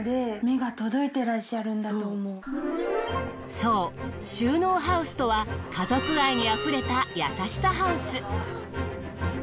そう収納ハウスとは家族愛にあふれた優しさハウス。